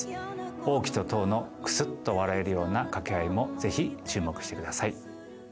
王騎と騰のクスッと笑えるような掛け合いもぜひ注目してください。